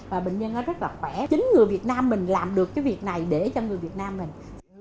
và bệnh nhân nó rất là khỏe chính người việt nam mình làm được cái việc này để cho người việt nam mình